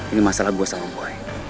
ini masalah gua sama boy